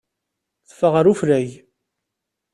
Teffeɣ ɣer ufrag.